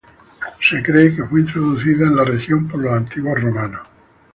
Se cree que fue introducida en la región por los antiguos romanos.